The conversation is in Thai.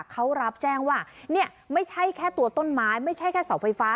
เขารับแจ้งว่าเนี่ยไม่ใช่แค่ตัวต้นไม้ไม่ใช่แค่เสาไฟฟ้า